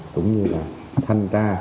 cũng như là thanh tra